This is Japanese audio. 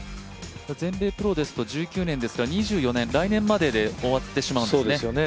全米プロですと１９年ですから来年までで終わってしまうんですね。